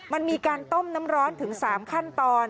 มันมีการต้มน้ำร้อนถึง๓ขั้นตอน